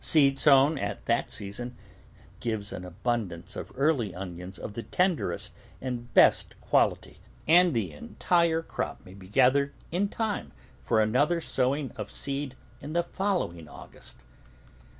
Seed sown at that season gives an abundance of early onions of the tenderest and best quality, and the entire crop may be gathered in time for another sowing of seed in the following August.